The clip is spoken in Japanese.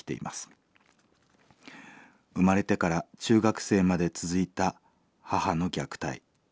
生まれてから中学生まで続いた母の虐待。